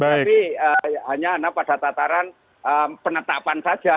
tapi hanya pada tataran penetapan saja